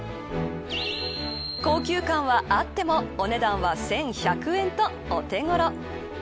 高級感はあってもお値段は１１００円とお手頃。